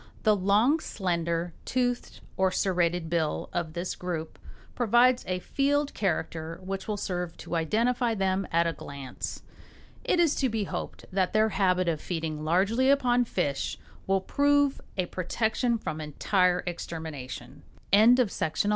The long, slender, toothed or serrated bill of this group provides a field character which will serve to identify them at a glance. It is to be hoped that their habit of feeding largely upon fish will prove a protection from entire extermination. THE TRUMPETERS.